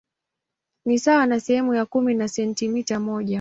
Ni sawa na sehemu ya kumi ya sentimita moja.